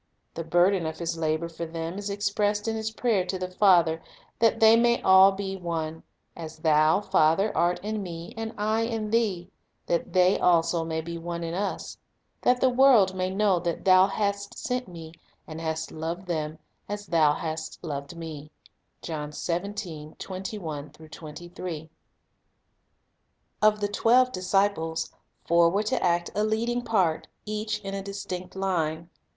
The burden of His labor for them is expressed in His prayer to the Father, "that they all may.be one; as Thou, Father, art in Me, and I in Thee, that they also may be one in Us; ... that the world may know that Thou hast sent Me, and hast loved them, as Thou hast loved Me." 1 Of the twelve disciples, four were to act a leading part, each in a distinct line.